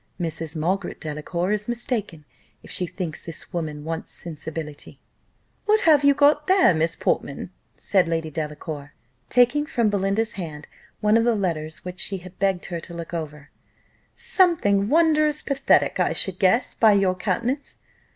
"Mrs. Margaret Delacour is mistaken, if she thinks this woman wants sensibility." "What have you got there, Miss Portman?" said Lady Delacour, taking from Belinda's hand one of the letters which she had begged her to look over: "something wondrous pathetic, I should guess, by your countenance.